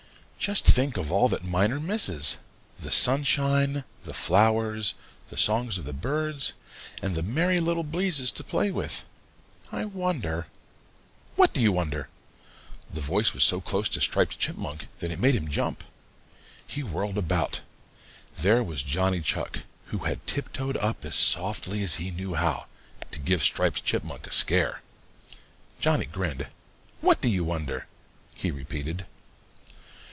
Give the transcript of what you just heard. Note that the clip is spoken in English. Just think of all that Miner misses the sunshine, the flowers, the songs of the birds, and the Merry Little Breezes to play with! I wonder " "What do you wonder?" The voice was so close to Striped Chipmunk that it made him jump. He whirled about. There was Johnny Chuck, who had tiptoed up as softly as he knew how, to give Striped Chipmunk a scare. Johnny grinned. "What do you wonder?" he repeated.